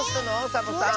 サボさん。